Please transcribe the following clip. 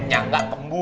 kenyang gak tembu